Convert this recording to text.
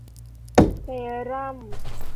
เซรั่ม